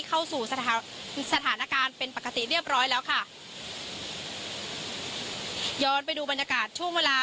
เข้าสู่สถานการณ์เป็นปกติเรียบร้อยแล้วค่ะย้อนไปดูบรรยากาศช่วงเวลา